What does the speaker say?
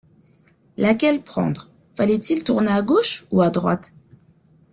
Laquelle prendre? fallait-il tourner à gauche ou à droite ?